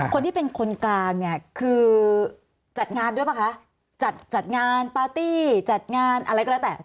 คนที่เป็นคนกลางเนี่ยคือจัดงานด้วยป่ะคะจัดจัดงานปาร์ตี้จัดงานอะไรก็แล้วแต่